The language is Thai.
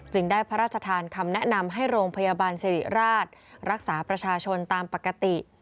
ได้พระราชทานคำแนะนำให้โรงพยาบาลสิริราชรักษาประชาชนตามปกติ